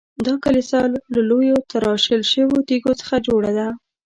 دا کلیسا له لویو تراشل شویو تیږو څخه جوړه ده.